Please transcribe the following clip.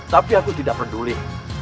tapi aku tidak peduli